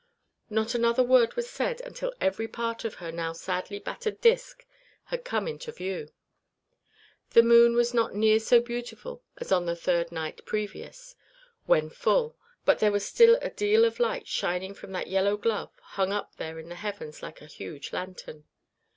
Not another word was said until every part of her now sadly battered disc had come into view. The moon was not near so beautiful as on the third night previous, when full; but there was still a deal of light shining from that yellow glove hung up there in the heavens like a huge lantern.